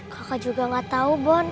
kakak juga gak tau bon